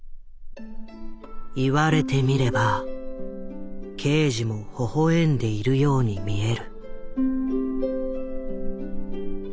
言われてみれば刑事もほほ笑んでいるように見える。